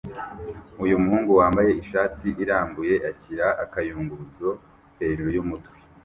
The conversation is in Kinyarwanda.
Uyu muhungu wambaye ishati irambuye ashyira akayunguruzo hejuru yumutwe